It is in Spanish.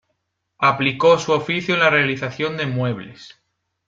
Aplicó su oficio en la realización de muebles.